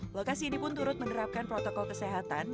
lokasi ini pun turut menerapkan protokol kesehatan